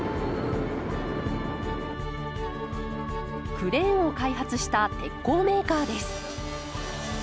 クレーンを開発した鉄鋼メーカーです。